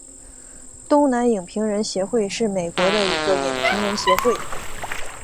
东南影评人协会是美国的一个影评人协会。